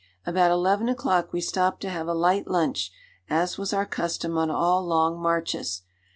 About eleven o'clock we stopped to have a light lunch, as was our custom on all long marches.